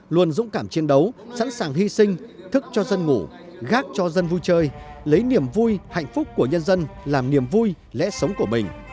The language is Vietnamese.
luôn dũng cảm chiến đấu sẵn sàng hy sinh thức cho dân ngủ gác cho dân vui chơi lấy niềm vui hạnh phúc của nhân dân làm niềm vui lẽ sống của mình